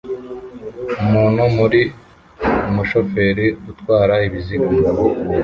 Umuntu muri -umushoferi utwara ibiziga